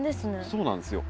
そうなんですよ。